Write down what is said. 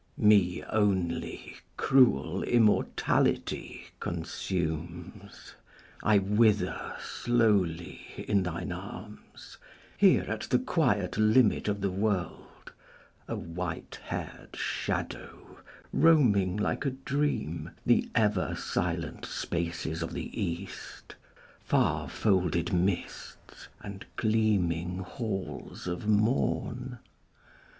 Me only cruel immortality Consumes: I wither slowly in thine arms, Here at the quiet limit of the world, A white hair'd shadow roaming like a dream The ever silent spaces of the East, Far folded mists, and gleaming halls of morn.